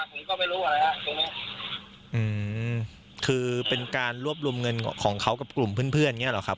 ผมก็ไม่รู้อะไรฮะตรงเนี้ยอืมคือเป็นการรวบรวมเงินของเขากับกลุ่มเพื่อนเพื่อนอย่างเงี้หรอครับ